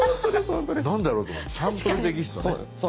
何だろうってサンプルテキストね。